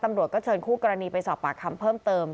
ตำรวจก็เชิญคู่กรณีไปสอบปากคำเพิ่มเติม